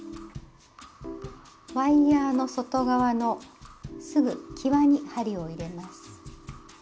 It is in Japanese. ワイヤーの外側のすぐきわに針を入れます。